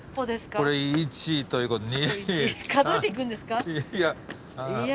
これ１ということで２３４。